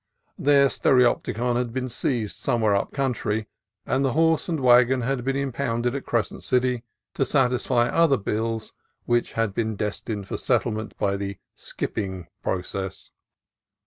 The stereopticon had been seized some where up country, and the horse and wagon had been impounded at Crescent City to satisfy other bills which had been destined for settlement by the "skipping" process.